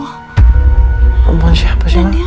aku mimpi perempuan itu datengin aku